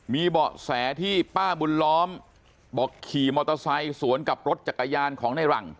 มีเบาะแสที่ป้าบุญล้อมบอกขี่มอเตอร์ไซค์สวนกับรถจักรยานของในหลัง